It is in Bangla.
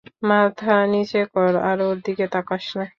মাথা নীচে কর, আর ওর দিকে তাকাস না।